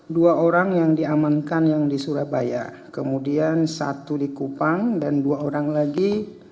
dua orang yang diamankan yang di surabaya kemudian satu di kupang dan dua orang lagi